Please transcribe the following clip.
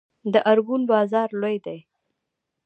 د ارګون بازار لوی دی